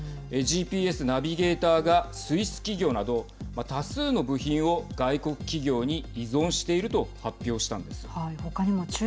ＧＰＳナビゲーターがスイス企業など多数の部品を外国企業に依存していると発表したんです。